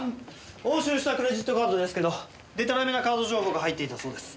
押収したクレジットカードですけどでたらめなカード情報が入っていたそうです。